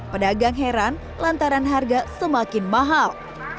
pedagang heran lantaran harga semakin mahal